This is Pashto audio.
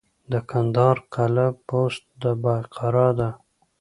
د کندهار قلعه بست د بایقرا ده